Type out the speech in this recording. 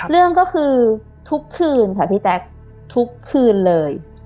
เรื่องก็คือทุกคืนค่ะพี่แจ๊คทุกคืนเลย